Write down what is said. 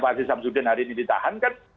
pak aziz samsudin hari ini ditahan kan